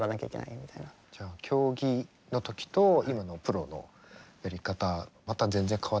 じゃあ競技の時と今のプロのやり方また全然変わってきた？